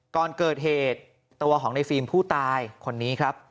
ก่อนเกิดเหตุตัวของในฟิล์มผู้ตายคนนี้ครับ